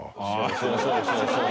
そうそうそうそう。